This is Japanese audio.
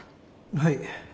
はい。